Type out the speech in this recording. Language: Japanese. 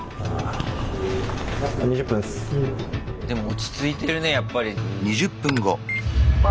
でも落ち着いてるねやっぱり。